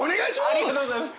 ありがとうございます！